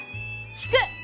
聞く！